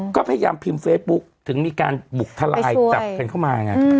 ก็พยายามพิมพ์เฟซบุ๊กถึงมีการบุกทลายจับกันเข้ามาไง